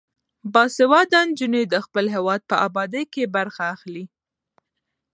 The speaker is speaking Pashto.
باسواده نجونې د خپل هیواد په ابادۍ کې برخه اخلي.